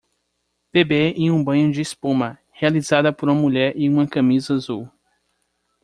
Bebê em um banho de espuma, realizada por uma mulher em uma camisa azul